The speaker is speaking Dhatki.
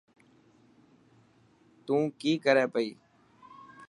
تون ڪي ڪري پئي.